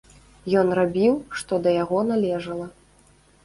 Ён рабіў, што да яго належала.